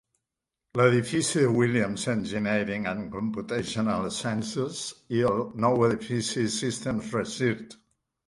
L'edifici de Williams Engineering and Computational Sciences, i el nou edifici de Systems Research.